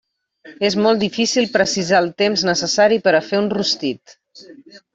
És molt difícil precisar el temps necessari per a fer un rostit.